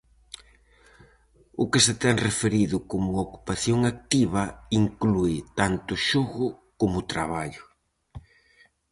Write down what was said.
O que se ten referido como ocupación activa inclúe tanto xogo como traballo.